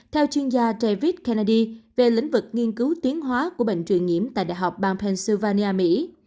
theo chuyên gia david kennedy về lĩnh vực nghiên cứu tuyến hóa của bệnh truyền nhiễm tại đại học bang pennsylvania mỹ